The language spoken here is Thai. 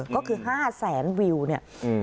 ก็คือห้าแสนวิวเนี่ยอืม